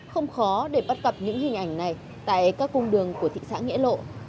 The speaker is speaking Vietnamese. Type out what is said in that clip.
không khó để bắt gặp những hình ảnh này tại các cung đường của thị xã nghĩa lộ